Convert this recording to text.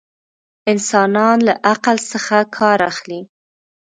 انسانان له عقل څخه ڪار اخلي.